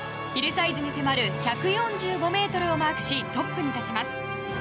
ヒルサイズに迫る１４５ｍをマークしトップに立ちます。